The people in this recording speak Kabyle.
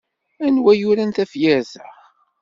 Anwa i yuran tafyirt a?